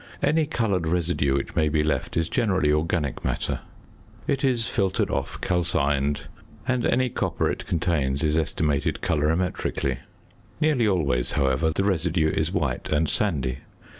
Any coloured residue which may be left is generally organic matter: it is filtered off, calcined, and any copper it contains is estimated colorimetrically. Nearly always, however, the residue is white and sandy.